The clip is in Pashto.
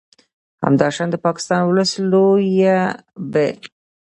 همداشان د پاکستان ولس لویه ب